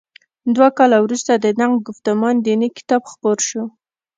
دوه کاله وروسته د نقد ګفتمان دیني کتاب خپور شو.